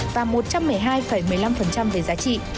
và một trăm một mươi hai một mươi năm về giá trị